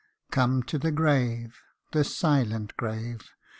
COME to the grave the silent grave